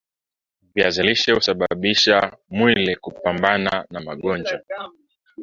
viazi lishe husaidia mwili kupambana na magojwa